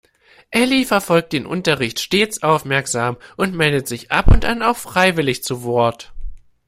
Elli verfolgt den Unterricht stets aufmerksam und meldet sich ab und an auch freiwillig zu Wort.